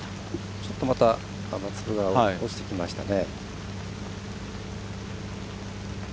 ちょっと粒が落ちてきましたね。